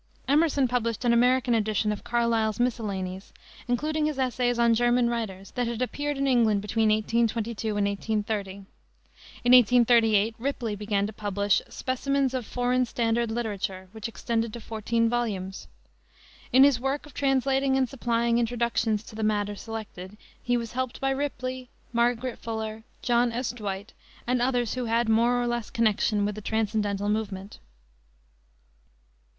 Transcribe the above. Emerson published an American edition of Carlyle's Miscellanies, including his essays on German writers that had appeared in England between 1822 and 1830. In 1838 Ripley began to publish Specimens of Foreign Standard Literature, which extended to fourteen volumes. In his work of translating and supplying introductions to the matter selected he was helped by Ripley, Margaret Fuller, John S. Dwight and others who had more or less connection with the transcendental movement.